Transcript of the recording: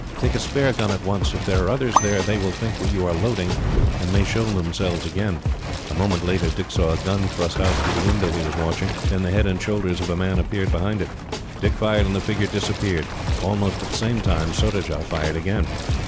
"Take a spare gun at once. If there are others there, they will think that you are loading, and may show themselves again." A moment later, Dick saw a gun thrust out through the window he was watching. Then the head and shoulders of a man appeared behind it. He fired, and the figure disappeared. Almost at the same instant, Surajah fired again.